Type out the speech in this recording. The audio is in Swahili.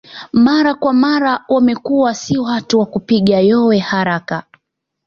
Mara kwa mara wamekuwa si watu wa kupiga yowe haraka